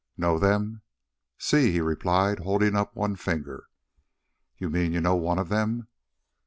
"Know them?" "Si," he replied, holding up one finger. "You mean you know one of them?"